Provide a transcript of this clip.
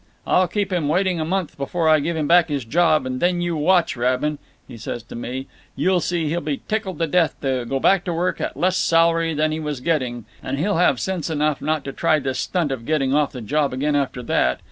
I'll keep him waiting a month before I give him back his job, and then you watch, Rabin,' he says to me, 'you'll see he'll be tickled to death to go back to work at less salary than he was getting, and he'll have sense enough to not try this stunt of getting off the job again after that.